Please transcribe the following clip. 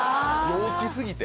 陽気過ぎて。